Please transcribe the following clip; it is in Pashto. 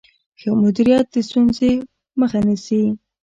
ښه مدیریت د ستونزو مخه نیسي.